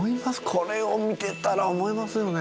これを見てたら思いますよね。